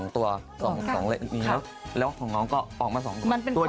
ต้องพูดไหมอะ